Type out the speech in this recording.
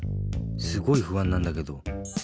すごいふあんなんだけど。